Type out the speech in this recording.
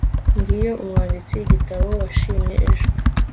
Ngiyo umwanditsi igitabo washimye ejo